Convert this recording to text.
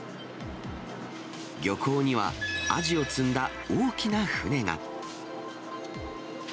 漁港にはアジを積んだ大きな船が。